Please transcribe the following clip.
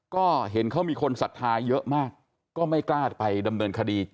ก็เห็นเขามีคนศรัทธาเยอะมากก็ไม่กล้าไปดำเนินคดี